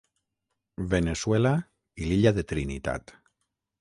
Veneçuela i l'Illa de Trinitat.